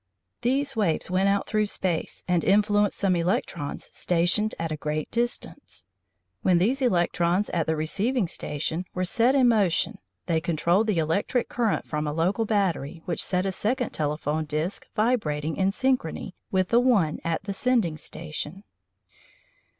These waves went out through space and influenced some electrons stationed at a great distance. When these electrons at the receiving station were set in motion they controlled the electric current from a local battery which set a second telephone disc vibrating in synchrony with the one at the sending station.